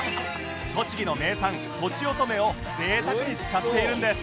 栃木の名産とちおとめを贅沢に使っているんです